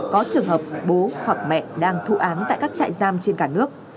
có trường hợp bố hoặc mẹ đang thụ án tại các trại giam trên cả nước